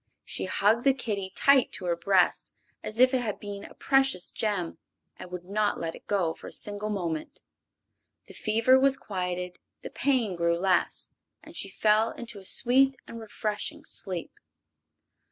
She hugged the kitty tight to her breast, as if it had been a precious gem, and would not let it go for a single moment. The fever was quieted, the pain grew less, and she fell into a sweet and refreshing sleep.